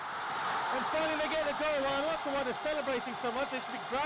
และที่สุดพวกมันกำลังกลับไปกำลังกลับไป